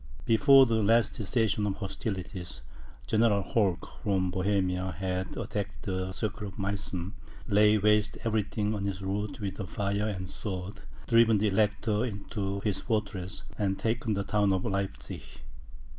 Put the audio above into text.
Before the last cessation of hostilities, General Holk, from Bohemia, had attacked the circle of Meissen, laid waste every thing on his route with fire and sword, driven the Elector into his fortresses, and taken the town of Leipzig.